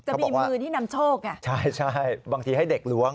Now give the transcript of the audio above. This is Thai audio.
จะมีมือที่นำโชคไงใช่ใช่บางทีให้เด็กล้วง